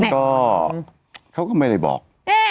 ก็เขาก็ไม่ได้บอก